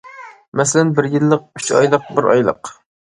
مەسىلەن: بىر يىللىق، ئۈچ ئايلىق، بىر ئايلىق.